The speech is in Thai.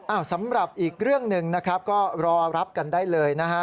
สำหรับอีกเรื่องหนึ่งนะครับก็รอรับกันได้เลยนะฮะ